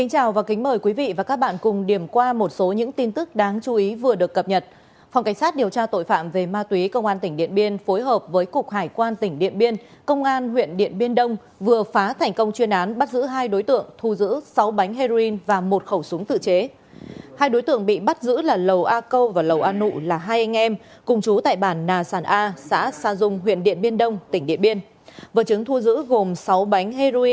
hãy đăng ký kênh để ủng hộ kênh của chúng mình nhé